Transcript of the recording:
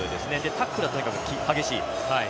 タックルがとにかく激しい。